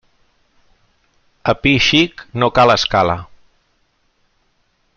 A pi xic no cal escala.